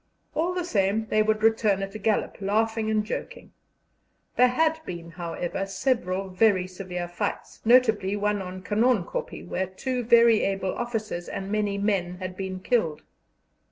All the same, they would return at a gallop, laughing and joking. There had been, however, several very severe fights, notably one on Canon Kopje, where two very able officers and many men had been killed.